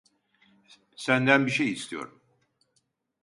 Senden bir şey istiyorum.